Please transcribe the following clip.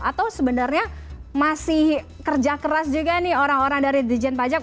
atau sebenarnya masih kerja keras juga nih orang orang dari dijen pajak